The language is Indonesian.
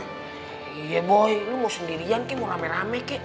iya boy lu mau sendirian kek mau rame rame kek